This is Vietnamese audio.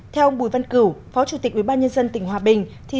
theo ông bùi văn cửu phó chủ tịch ubnd tỉnh hòa bình